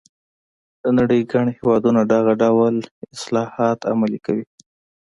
د نړۍ ګڼ هېوادونه دغه ډول اصلاحات عملي کوي.